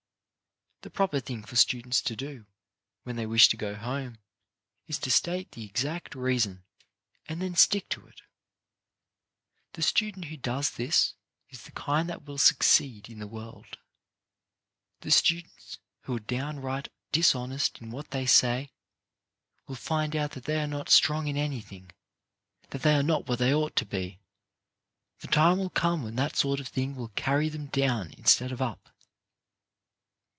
The proper thing for students to do, when they wish to go home, is to state the exact reason, and then stick to it. The student who does that is the kind that will succeed in the world. The stu dents who are downright dishonest in what they say, will find out that they are not strong in any thing, that they are not what they ought to be. The time will come when that sort of thing will carry them down instead of up.